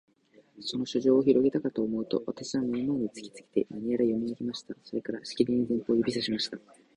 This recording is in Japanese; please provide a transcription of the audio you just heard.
その書状をひろげたかとおもうと、私の眼の前に突きつけて、何やら読み上げました。それから、しきりに前方を指さしました。